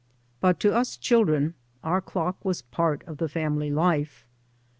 But to us children our clock was part of the family life.